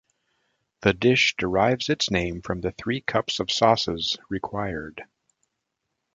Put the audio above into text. The dish derives its name from the three cups of sauces required.